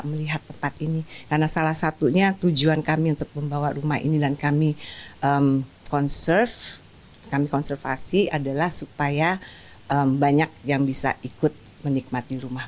berpikir untuk membawa rumah ini dan kami konservasi adalah supaya banyak yang bisa ikut menikmati rumah